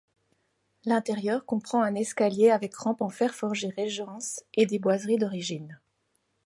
L’intérieur comprend un escalier avec rampe en fer forgé Régence et des boiseries d’origine.